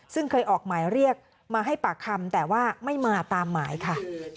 ซึ่งเคยออกหมายเรียกมาให้ปากคำแต่ว่าไม่มาตามหมายค่ะ